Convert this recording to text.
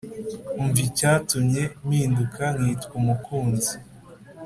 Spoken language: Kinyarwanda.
Umva icyatumye mpinduka nkitwa umukunzi